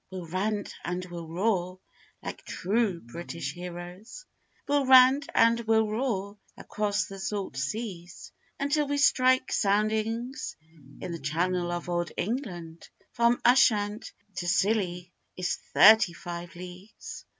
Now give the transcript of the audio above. We'll rant and we'll roar like true British heroes, We'll rant and we'll roar across the salt seas, Until we strike soundings in the channel of old England; From Ushant to Scilly is thirty five leagues.